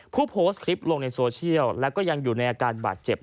ผู้โพสต์คลิปลงในโซเชียลแล้วก็ยังอยู่ในอาการบาดเจ็บ